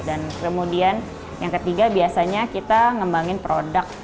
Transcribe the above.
dan kemudian yang ketiga biasanya kita ngembangin produk